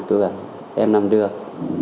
tôi gọi em nằm được